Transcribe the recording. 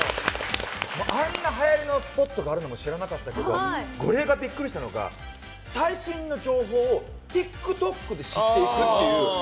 あんなはやりのスポットがあるのも知らなかったけどゴリエがビックリしたのが最新の情報をＴｉｋＴｏｋで知っていくっていう。